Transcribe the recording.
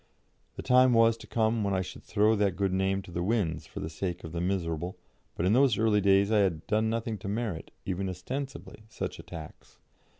The time was to come when I should throw that good name to the winds for the sake of the miserable, but in those early days I had done nothing to merit, even ostensibly, such attacks.